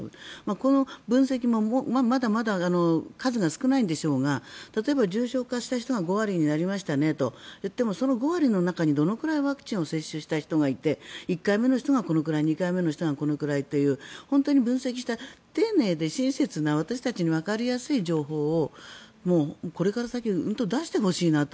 この分析もまだまだ数が少ないんでしょうが例えば、重症化した人が５割になりましたねと言ってもその５割の中にどれぐらいワクチンを接種した人がいて１回目の人がこのくらい２回目の人がこのくらいという本当に分析した丁寧で親切な私たちにわかりやすい情報をこれから先出してほしいなと。